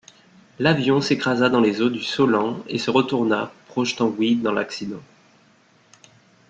L'avion s'écrasa dans les eaux du Solent et se retourna, projetant Wead dans l'accident.